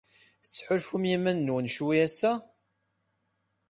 Tettḥulfum i yiman-nwen ccwi ass-a?